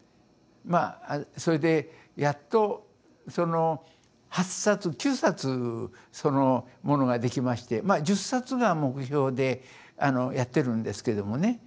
まあそれでやっとその８冊９冊そのものができましてまあ１０冊が目標でやってるんですけどもね。